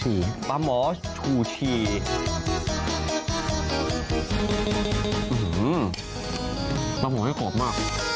นั่นปลาหมอชูชีนะครับ